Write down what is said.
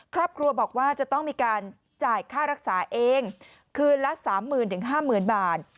ครอบครัวบอกว่าจะต้องมีการจ่ายค่ารักษาเองคืนละ๓๐๐๐๕๐๐๐บาท